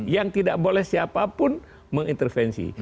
yang tidak boleh siapapun mengintervensi